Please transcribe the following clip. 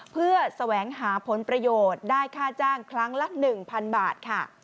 เพื่อแสวงหาผลประโยชน์ได้ค่าจ้างครั้งละ๑๐๐๐บาทค่ะ